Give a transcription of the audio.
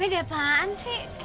ini ada apaan sih